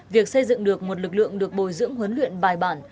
việc xây dựng được một lực lượng được bồi dưỡng huấn luyện bài bản